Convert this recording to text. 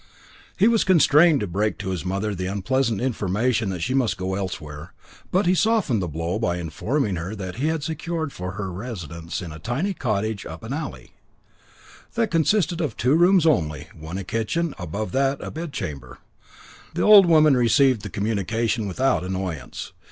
He was constrained to break to his mother the unpleasant information that she must go elsewhere; but he softened the blow by informing her that he had secured for her residence a tiny cottage up an alley, that consisted of two rooms only, one a kitchen, above that a bedchamber. The old woman received the communication without annoyance.